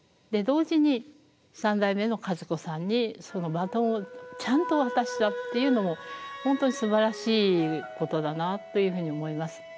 同時に三代目の一子さんにそのバトンをちゃんと渡したっていうのも本当にすばらしいことだなあというふうに思います。